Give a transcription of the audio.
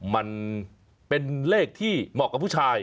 มันเป็นเลขที่เหมาะกับผู้ชาย